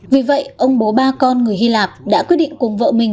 vì vậy ông bố ba con người hy lạp đã quyết định cùng vợ mình